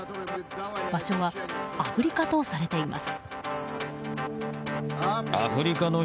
場所はアフリカとされています。